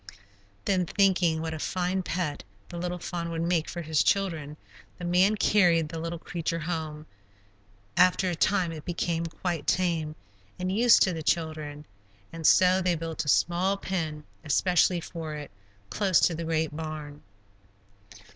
Then, thinking what a fine pet the little fawn would make for his children, the man carried the little creature home. After a time it became quite tame and used to the children, and so they built a small pen especially for it, close to the great barn.